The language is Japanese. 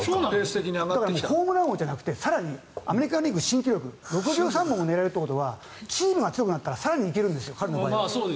だから、ホームラン王じゃなくて更にアメリカン・リーグ新記録６３本を狙えるということはチームが強くなったら更に行けるんです彼の場合。